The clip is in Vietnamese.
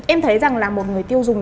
em thấy rằng là một người tiêu dùng